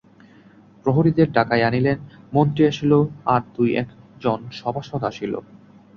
প্রহরীদের ডাকাইয়া আনিলেন, মন্ত্রী আসিল, আর দুই এক জন সভাসদ আসিল।